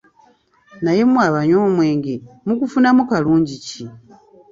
Naye mwe abanywa omwenge mugufunamu kalungi ki?